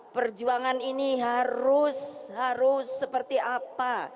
perjuangan ini harus harus seperti apa